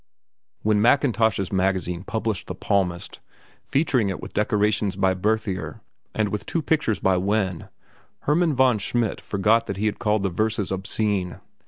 When Mackintosh's Magazine published "The Palmist," featuring it with decorations by Berthier and with two pictures by Wenn, Hermann von Schmidt forgot that he had called the verses obscene.